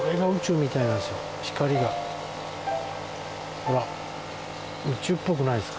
ほら宇宙っぽくないですか？